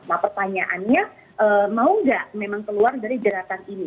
nah pertanyaannya mau nggak memang keluar dari jeratan ini